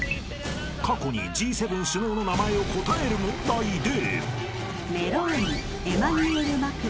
［過去にＧ７首脳の名前を答える問題で］